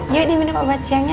yuk diminum obat siang ya